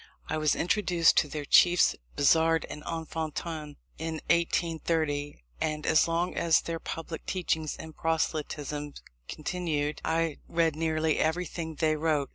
I was introduced to their chiefs, Bazard and Enfantin, in 1830; and as long as their public teachings and proselytism continued, I read nearly everything they wrote.